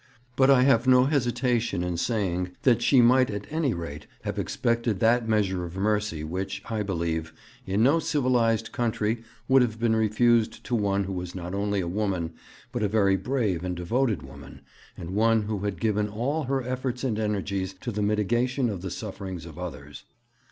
But I have no hesitation in saying that she might at any rate have expected that measure of mercy which, I believe, in no civilized country would have been refused to one who was not only a woman, but a very brave and devoted woman, and one who had given all her efforts and energies to the mitigation of the sufferings of others.